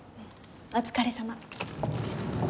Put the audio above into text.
お疲れさま。